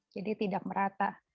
jadi tidak merata